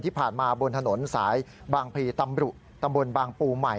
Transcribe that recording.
ที่ผ่านมาบนถนนสายบางพลีตำรุตำบลบางปูใหม่